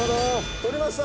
とりました。